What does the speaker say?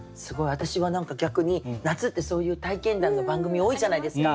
私は何か逆に夏ってそういう体験談の番組多いじゃないですか。